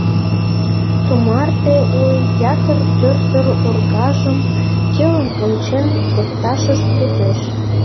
Тумарте, ой, ятыр тӧрсыр-оргажым келын-вончен лекташышт возеш.